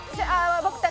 僕たち。